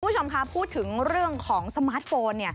คุณผู้ชมค่ะพูดถึงเรื่องของสมาร์ทโฟน